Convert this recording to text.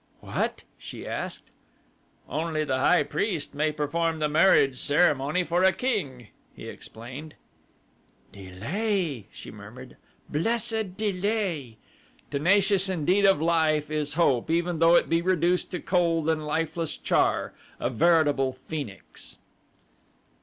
"What?" she asked. "Only the high priest may perform the marriage ceremony for a king," he explained. "Delay!" she murmured; "blessed delay!" Tenacious indeed of life is Hope even though it be reduced to cold and lifeless char a veritable phoenix.